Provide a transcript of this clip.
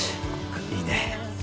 いいね。